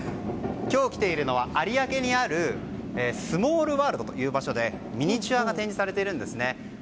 今日来ているのは有明にあるスモールワールズという場所でミニチュアが展示されているんですね。